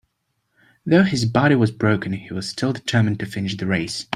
Though his body was broken, he was still determined to finish the race.